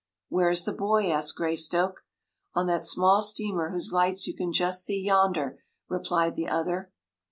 “Where is the boy?” asked Greystoke. “On that small steamer whose lights you can just see yonder,” replied the other.